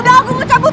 udah aku mau cabut